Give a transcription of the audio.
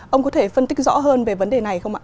ông có thể phân tích rõ hơn về vấn đề này không ạ